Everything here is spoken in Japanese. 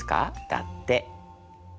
だって。